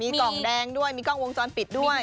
มีกล่องแดงด้วยมีกล้องวงจรปิดด้วย